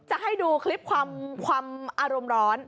จะให้ดูคลิปความอารมณ์ร้อน